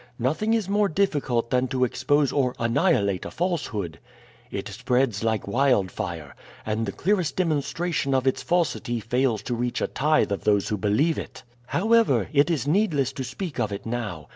Nothing is more difficult than to expose or annihilate a falsehood. It spreads like wildfire, and the clearest demonstration of its falsity fails to reach a tithe of those who believe it. However, it is needless to speak of it now.